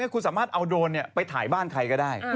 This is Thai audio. คุณสามารถเอาโดรนไปถ่ายบ้านใครก็ได้